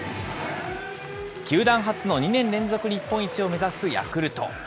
球団初の２年連続日本一を目指すヤクルト。